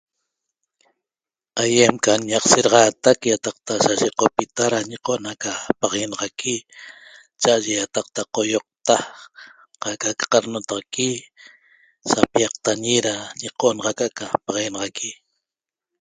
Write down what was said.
Aiem llaqheta seraxatec yataqta da se so copita da ñicona ca paxaguenaxaqui chaaye taqta caiocta ,haca' na n'notaxaqui sa piaqteñe da ñeconaxa ca paxaguenaxaqui